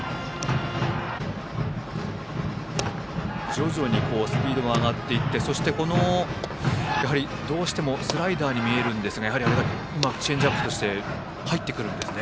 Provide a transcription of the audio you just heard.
徐々にスピードが上がっていってそして、どうしてもスライダーに見えるんですがやはり、あれがチェンジアップとして入るんですね。